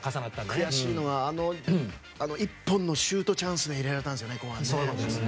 悔しいのはあの１本のシュートチャンスで入れられたんですよね。